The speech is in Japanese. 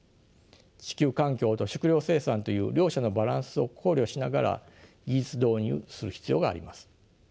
地球環境と食糧生産という両者のバランスを考慮しながら技術導入する必要があります。